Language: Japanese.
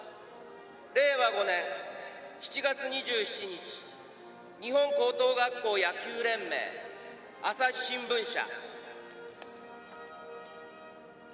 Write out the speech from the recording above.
令和５年７月２７日日本高等学校野球連盟朝日新聞社。